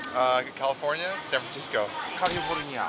カリフォルニア。